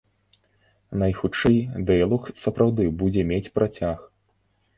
Найхутчэй, дыялог сапраўды будзе мець працяг.